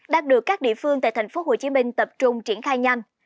đã được các địa phương tại thành phố hồ chí minh tập trung triển khai nhanh